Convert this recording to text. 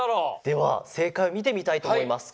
では正解を見てみたいと思います。